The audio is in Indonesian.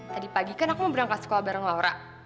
tadi pagi kan aku mau berangkat sekolah bareng laura